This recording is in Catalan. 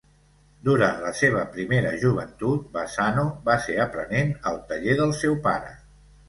Durant la seva primera joventut Bassano va ser aprenent al taller del seu pare.